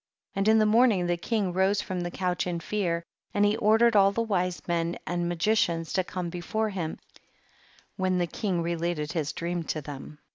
51. And in the morning the king rose from his couch in fear, and he ordered all the wise men and magi cians to come before him, when the king related his dream to them.